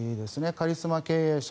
カリスマ経営者。